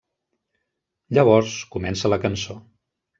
Llavors, comença la cançó.